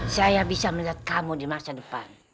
saya bisa melihat kamu di masa depan